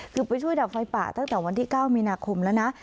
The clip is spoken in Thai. คือไปช่วยดับไฟป่าตั้งแต่วันที่๙มีนาคมแล้วนะ